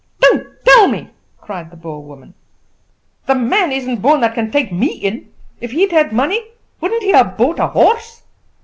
"Don't tell me," cried the Boer woman; "the man isn't born that can take me in. If he'd had money, wouldn't he have bought a horse?